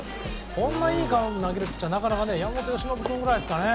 こんなにいいカーブを投げるピッチャーは山本由伸君ぐらいですかね。